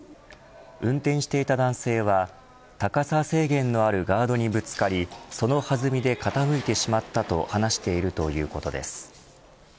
運転していた男性は高さ制限のあるガードにぶつかりその弾みで傾いてしまったと話しているということです。